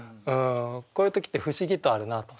こういう時って不思議とあるなと。